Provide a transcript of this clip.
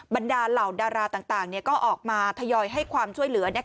บรรดาเหล่าดาราต่างก็ออกมาทยอยให้ความช่วยเหลือ